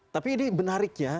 tapi ini benariknya